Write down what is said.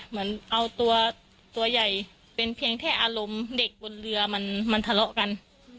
เหมือนเอาตัวตัวใหญ่เป็นเพียงแค่อารมณ์เด็กบนเรือมันทะเลาะกัน